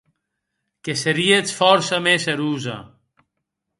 Que seríetz fòrça mès erosa.